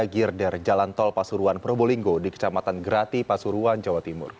girder jalan tol pasuruan probolinggo di kecamatan grati pasuruan jawa timur